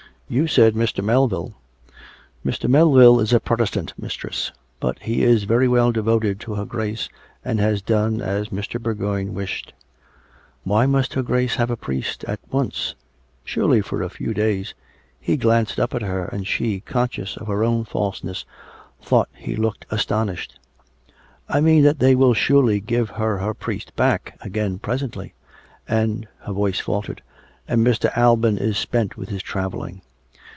" You said Mr. Melville." " Mr. Melville is a Protestant, mistress ; but he is very well devoted to her Grace, and has done as Mr. Bourgoign wished." " Why must her Grace have a priest at once ? Surely for a few days " 336 COME RACK! COME ROPE! He glanced up at her, and she, conscious of her own falseness, thought he looked astonished. " I mean that they will surely give her her priest back again presently; and" — (her voice faltered) — "and Mr. Alban is spent with his tj avelling."